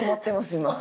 今。